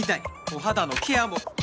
お肌のケアも！